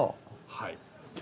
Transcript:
はい。